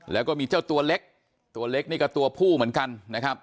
แล้วก็มีเจ้าตัวเล็กตัวเล็กนี่ก็ตัวผู้เหมือนกันนะครับ